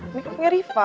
ini punya riva